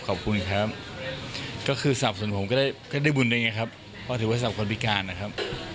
เพราะถือว่าสรรพส่วนคนพิการนะครับ